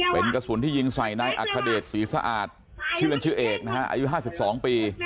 เป็นกระสุนที่ยิงใส่นายอัคเดชศรีสะอาดชื่อเล่นชื่อเอกนะฮะอายุ๕๒ปี